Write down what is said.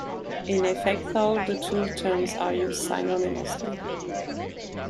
In effect, though, the two terms are used synonymously.